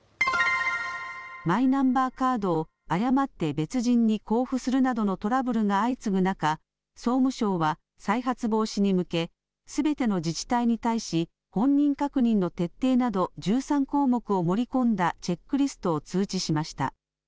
マイナンバーカードを誤って別人に交付するなどのトラブルが相次ぐ中、総務省は再発防止に向け、すべての自治体に対し本人確認の徹底など１３項目を盛り込んだチェックリストを通知しました。